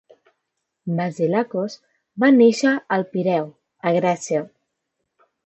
Vasilakos va néixer al Pireu, a Grècia.